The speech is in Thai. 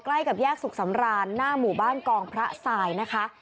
ใกล้กับแยกสุขสำรานหน้าหมู่บ้านกองพระทรายนะคะ